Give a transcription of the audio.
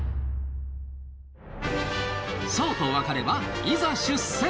そうと分かればいざ出船！